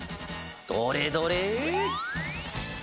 どれどれ？